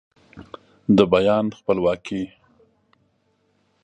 د بیان خپلواکي